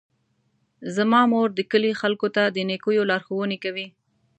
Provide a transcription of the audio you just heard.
زما مور د کلي خلکو ته د نیکیو لارښوونې کوي.